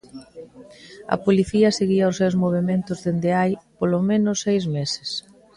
A policía seguía os seus movementos dende hai polo menos seis meses.